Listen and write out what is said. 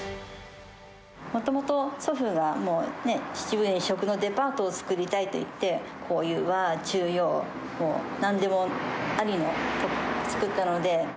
もともと、祖父が秩父で食のデパートを作りたいと言って、こういう和、中、洋、なんでもありのを作ったので。